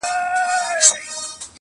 پوهېدل چي د منلو هر گز نه دي-